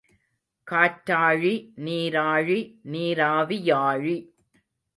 காற்றாழி, நீராழி, நீராவியாழி.